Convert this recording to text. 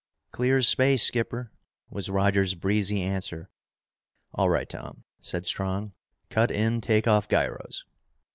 "Clear as space, skipper!" was Roger's breezy answer. "All right, Tom," said Strong, "cut in take off gyros."